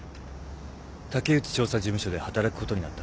竹内調査事務所で働くことになった。